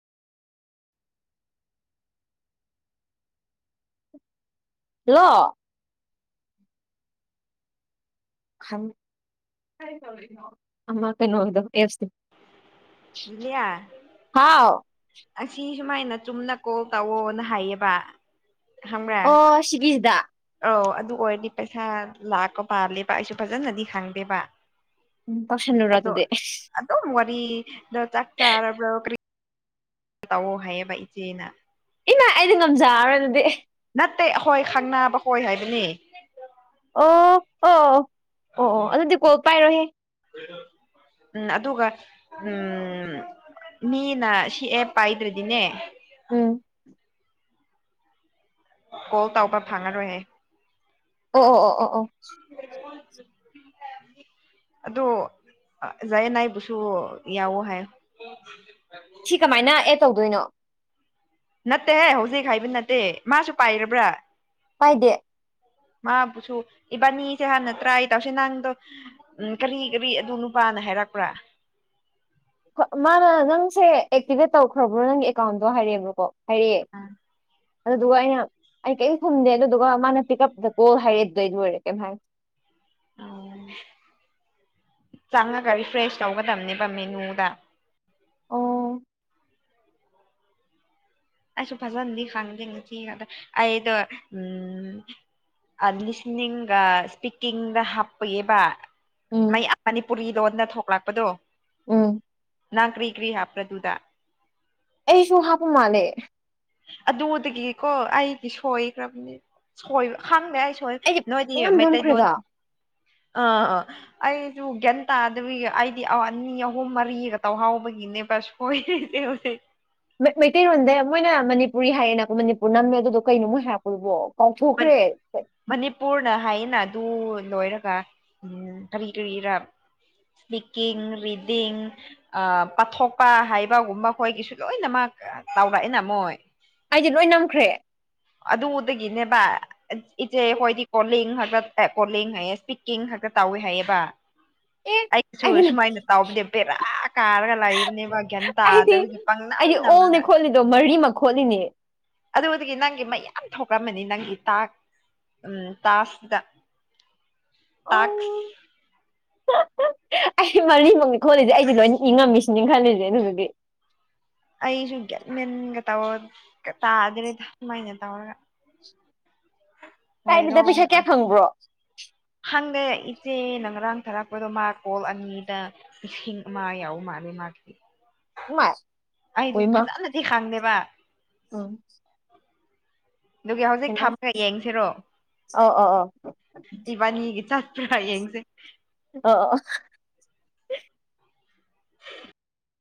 hello ꯑ ꯀꯩꯅꯣ ꯑꯣꯏꯗ ꯑꯦ ꯏꯕꯤꯂꯤꯌꯥ ꯑꯁꯤ ꯁꯨꯃꯥꯏꯅ ꯆꯨꯝꯅ ꯀꯣꯜ ꯇꯧꯋꯅ ꯍꯥꯏꯌꯦꯕ ꯈꯪꯕ꯭ꯔꯥ ꯑꯣ ꯁꯤꯒꯤꯁꯗ ꯑꯧ ꯑꯗꯨ ꯑꯣꯏꯔꯗꯤ ꯄꯩꯁꯥ ꯂꯥꯛꯄ ꯄꯥꯜꯂꯦꯕ ꯑꯩꯁꯨ ꯐꯖꯅꯗꯤ ꯈꯪꯗꯦꯕ ꯎꯝ ꯄꯁꯥꯟꯅ ꯔ ꯑꯗꯨꯗꯤ ꯕꯤ ꯇꯥꯛꯔ ꯇꯧꯑꯣ ꯍꯥꯏꯌꯦꯕ ꯏꯆꯦꯅ ꯏꯃꯥ ꯑꯩꯗꯤ ꯉꯝꯖꯔꯔꯣꯏ ꯑꯗꯨꯗꯤ ꯅꯠꯇꯦ ꯑꯩꯍꯣꯏ ꯈꯪꯅꯕ ꯍꯣꯏ ꯍꯥꯏꯕꯅꯤ ꯑꯣ ꯑꯣ ꯑꯣ ꯑꯣ ꯑꯗꯨꯗꯤ ꯀꯣꯜ ꯄꯥꯏꯔꯣꯍꯦ ꯎꯝ ꯑꯗꯨꯒ ꯎꯝ ꯃꯤꯅ ꯁꯤ ꯑꯦ ꯄꯥꯏꯗ꯭ꯔꯗꯤꯅꯦ ꯎꯝ ꯀꯣꯜ ꯇꯧꯕ ꯐꯪꯉꯔꯣꯏꯍꯦ ꯑꯣ ꯑꯣ ꯑꯣ ꯑꯣ ꯑꯣ ꯑꯣ ꯖꯥꯏꯌꯦꯅ ꯅꯥꯏꯕꯨꯁꯨ ꯌꯥꯎꯑꯣ ꯍꯥꯏꯌꯣ ꯁꯤ ꯀꯃꯥꯏꯅ ꯑꯦꯗ ꯇꯧꯗꯣꯏꯅꯣ ꯅꯠꯇꯦꯍꯦ ꯍꯧꯖꯤꯛ ꯍꯥꯏꯕ ꯅꯠꯇꯦ ꯃꯥꯁꯨ ꯄꯥꯏꯔꯕ꯭ꯔꯥ ꯄꯥꯏꯗꯦ ꯃꯥꯕꯨꯁꯨ ꯏꯕꯥꯅꯤꯁꯦ ꯍꯥꯟꯅ ꯇ꯭ꯔꯥꯏ ꯇꯧꯁ ꯅꯪꯗꯣ ꯎ ꯀꯔꯤ ꯀꯔꯤ ꯑꯗꯨ ꯅꯨꯄꯥꯅ ꯍꯥꯏꯔꯛꯄ꯭ꯔꯥ ꯃꯥꯅ ꯅꯪꯁꯦ ꯑꯦꯛꯇꯤꯚꯦꯠ ꯇꯧꯈ꯭ꯔꯕ꯭ꯔꯣ ꯅꯪꯒꯤ ꯑꯦꯀꯥꯎꯟꯗꯣ ꯍꯥꯏꯔꯛꯕꯅꯣꯀꯣ ꯍꯥꯏꯔꯤꯌꯦ ꯑꯗꯨꯗꯨꯒ ꯑꯩꯅ ꯑꯩ ꯀꯔꯤꯝ ꯐꯨꯝꯗꯦ ꯑꯗꯨꯗꯨꯒ ꯃꯥꯅ ꯄꯤꯛꯄꯞꯇ ꯀꯣꯜ ꯍꯥꯏꯔꯦ ꯑꯩ ꯂꯣꯏꯔꯦ ꯀꯩꯝ ꯍꯥꯏ ꯑꯣ ꯆꯪꯉꯒ ꯔꯤꯐ꯭ꯔꯦꯁ ꯇꯧꯒꯗꯝꯕꯅꯦꯕ ꯃꯦꯅꯨꯗ ꯑꯣ ꯑꯩꯁꯨ ꯐꯖꯟꯅꯗꯤ ꯈꯪꯗꯦ ꯉꯁꯤꯗ ꯑꯩꯗꯣ ꯎ ꯂꯤꯁꯅꯤꯡꯒ ꯏꯁꯄꯤꯀꯤꯡꯗ ꯍꯥꯞꯄꯒꯕ ꯎꯝ ꯃꯩ ꯃꯅꯤꯄꯨꯔꯤ ꯂꯣꯟꯗ ꯊꯣꯛꯂꯛꯄ ꯄꯗꯣ ꯎꯝ ꯅꯥ ꯀꯔꯤ ꯀꯔꯤ ꯍꯥ ꯄꯗꯨꯇꯥ ꯑꯩꯁꯨ ꯍꯥꯄꯨ ꯃꯥꯅꯦ ꯑꯗꯨꯗꯒꯤꯀꯣ ꯑꯩꯗꯤ ꯁꯣꯏꯈ꯭ꯔꯕꯅꯤꯕꯅꯤ ꯈꯪꯗꯦ ꯁꯣꯏꯈꯔ꯭ꯦ ꯑꯩꯗꯤ ꯅꯣꯏꯗꯤ ꯄꯨꯡꯅꯝ ꯃꯩꯇꯩ ꯂꯣꯟ ꯅꯝꯈ꯭ꯔꯦꯕ ꯑꯥ ꯑꯥ ꯑꯩꯁꯨ ꯒ꯭ꯌꯥꯟ ꯇꯥꯗꯕꯤ ꯑꯩꯗꯤ ꯑꯅꯤ ꯑꯍꯨꯝ ꯃꯔꯤꯒ ꯇꯧꯍꯥꯎꯕꯒꯤꯅꯦꯕ ꯁꯣꯏꯔꯤꯖꯦ ꯍꯧꯖꯤꯛ ꯃꯩꯇꯩꯔꯣꯟꯗ ꯃꯣꯏꯅ ꯃꯅꯤꯄꯨꯔꯤ ꯍꯥꯏꯌꯦꯅꯀꯣ ꯃꯅꯤꯄꯨꯔ ꯅꯝꯃꯦ ꯑꯗꯨꯗꯣ ꯀꯩꯅꯣ ꯃꯣꯏ ꯍꯥꯏꯔꯛꯄꯗꯨꯕꯨ ꯃꯅꯤꯄꯨꯔꯅ ꯍꯥꯏꯅ ꯑꯗꯨ ꯂꯣꯏꯔꯒ ꯎꯝ ꯀꯔꯤ ꯀꯔꯤꯔ ꯏꯁꯄꯤꯀꯤꯡ ꯔꯤꯗꯤꯡ ꯄꯥꯊꯣꯛꯄ ꯍꯥꯏꯕꯒꯨꯝꯕ ꯑꯩꯈꯣꯏꯒꯤꯁꯨ ꯂꯣꯏꯅꯃꯛ ꯇꯥꯎꯔꯛꯑꯏꯦꯅ ꯃꯣꯏ ꯑꯩꯗꯤ ꯂꯣꯏ ꯅꯝꯈ꯭ꯔꯦ ꯑꯗꯨꯗꯒꯤꯅꯦꯕ ꯏꯆꯦ ꯑꯩꯈꯣꯏꯗꯤ ꯀꯣꯂꯤꯡ ꯈꯛꯇ ꯀꯣꯂꯤꯡ ꯍꯥꯏꯌꯦ ꯏꯁꯄꯤꯛꯀꯤꯡ ꯈꯛꯇ ꯇꯧꯋꯤ ꯍꯥꯏꯌꯦꯕ ꯑꯦ ꯑꯩꯁꯨ ꯑꯩꯗꯤ ꯅꯝ- ꯁꯨꯃꯥꯏꯅ ꯇꯥꯎꯕꯗꯤ ꯄꯦꯔꯥ ꯀꯥꯔꯒ ꯂꯩꯥꯛꯕꯅꯦꯕ ꯒ꯭ꯌꯥꯟ ꯑꯩꯗꯤ ꯇꯥꯗ꯭ꯔꯕꯗꯤ ꯄꯥꯡꯅꯝ ꯅꯝꯂꯒ ꯈꯣꯠꯂꯤꯅꯤ ꯑꯗꯨꯗꯒꯤ ꯅꯪꯒꯤ ꯃꯩ ꯌꯥꯝ ꯊꯣꯛꯂꯛꯝꯃꯅꯤ ꯅꯪꯒꯤ ꯇ ꯎꯝ ꯇꯥꯀꯁꯤꯗ ꯇꯥꯛꯁ ꯑꯣ ꯑꯩ ꯃꯔꯤ ꯃꯨꯛꯅꯤ ꯈꯣꯠꯂꯤꯁꯦ ꯑꯩꯁꯦ ꯂꯣꯏꯅ ꯏꯪꯉꯝꯃꯤꯁꯤꯅꯤ ꯈꯜꯂꯤꯁꯦ ꯑꯗꯨꯗꯤ ꯑꯩꯁꯨ ꯒꯌ꯭ꯥꯟ ꯃꯦꯟꯒ ꯇ ꯇꯥꯗ꯭ꯔꯦꯗ ꯁꯨꯃꯥꯏꯅ ꯇꯧꯔꯒ ꯀꯥꯏꯅꯤꯗ ꯑꯣꯏꯔꯣꯡ ꯄꯩꯁꯥ ꯀꯌꯥ ꯐꯪꯕ꯭ꯔꯣ ꯑ ꯏꯆꯦ ꯅꯪꯔꯥꯡ ꯊꯥꯔꯛꯄꯗꯣ ꯃꯥ ꯀꯣꯜ ꯑꯅꯤꯗ ꯏꯁꯤꯡ ꯑꯃ ꯌꯥꯎ ꯃꯥꯂꯦ ꯃꯥꯒꯤꯗꯤ ꯏꯃꯥꯏ ꯑꯩꯗꯨ ꯍꯣꯏꯃꯥ ꯐꯖꯅꯗꯤ ꯈꯪꯗꯦꯕ ꯋꯥ ꯎꯝ ꯑꯗꯨꯒꯤ ꯍꯧꯖꯤꯛ ꯍꯩꯃꯥ ꯊꯃꯒ ꯌꯦꯡꯁꯤꯔꯣ ꯑꯣ ꯑꯣ ꯑꯣ ꯏꯕꯥꯅꯤꯒꯤ ꯆꯠ ꯄꯨꯔꯥ ꯌꯦꯡꯁꯦ ꯑꯣ ꯑꯣ